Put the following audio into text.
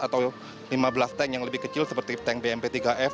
atau lima belas tank yang lebih kecil seperti tank bmp tiga f